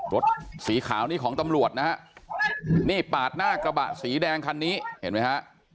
รถสีขาวนี่ของตำรวจนะฮะนี่ปาดหน้ากระบะสีแดงคันนี้เห็นไหมฮะ